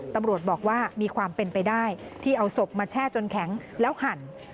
ตำรวจบอกว่ามีความเป็นไปได้ที่เอาศพมาแช่จนแข็งแล้วหั่น